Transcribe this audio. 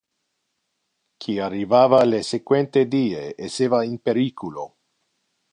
Qui arrivava le sequente die esseva in periculo.